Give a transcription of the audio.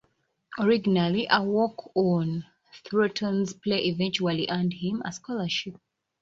Originally a walk-on, Thornton's play eventually earned him a scholarship.